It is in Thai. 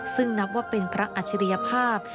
ซึ่งนับว่าเป็นพระอัจฉริยภาพ